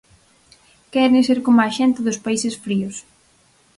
Queren ser coma a xente dos países fríos.